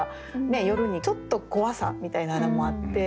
夜にちょっと怖さみたいなのもあって。